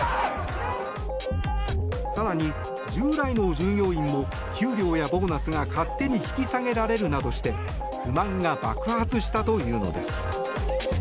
更に従来の従業員も給料やボーナスが勝手に引き下げられるなどして不満が爆発したというのです。